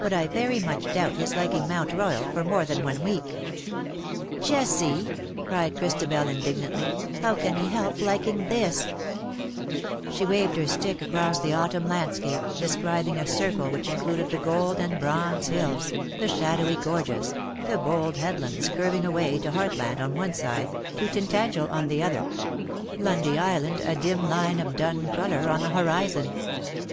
But I very much doubt his liking Mount Royalj for more than one week.' '" Jessie/' cried Christabel, indignantly, '^ how can he help liking thisV She waved her stick across the autumn landscape, describing a circle which included the gold and bronze hills, the shadowy gorges, the bold headlands curving away to Hart land on one side, to Tintagel on the other — Lundy Island a dim line of dun colour on the horizon